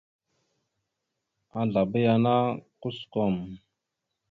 Azlaba yana kusəkom.